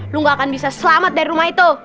lu gak akan bisa selamat dari rumah itu